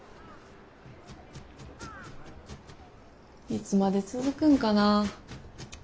いつまで続くんかな。